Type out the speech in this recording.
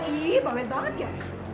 ih bawel banget ya